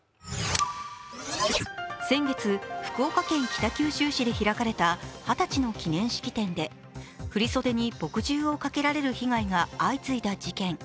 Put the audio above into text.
先月、福岡県北九州市で開かれた二十歳の記念式典で振り袖に墨汁をかけられる被害が相次いだ事件。